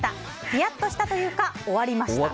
ヒヤッとしたというか終わりました。